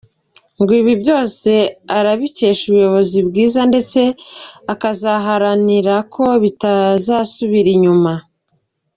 Ngo ibi byose arabikesha ubuyobozi bwiza ndetse akazaharanira ko bitazasubira inyuma.